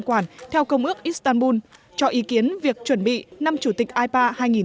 quản theo công ước istanbul cho ý kiến việc chuẩn bị năm chủ tịch ipa hai nghìn hai mươi